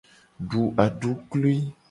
Du aduklui.